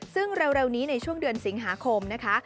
ซึ่งเร็วนี้ในช่วงเดือนสิงหาคมนะคะ